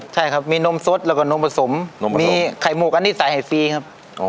ใช่ครับมีนมสดแล้วก็นมผสมมีไข่หมกอันนี้ใส่ให้ฟรีครับ